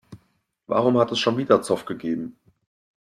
Warum hat es schon wieder Zoff gegeben?